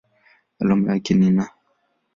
Alama yake ni Na.